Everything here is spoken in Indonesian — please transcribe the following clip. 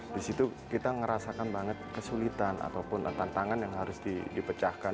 di situ kita merasakan banget kesulitan ataupun tantangan yang harus dipecahkan